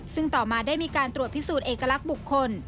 ซึ่งต่อมาได้มีการตรวจพิสูจน์เอกลักษณ์บุคคล